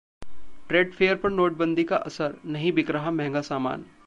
trade fair पर नोटबंदी का असर, नहीं बिक रहा महंगा सामान